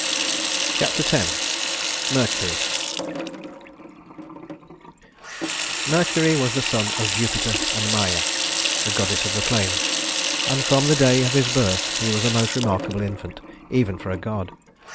Chapter X Mercury I Mercury was the son of Jupiter and Maia, goddess of the plains, and from the day of his birth he was a most remarkable infant, even for a god.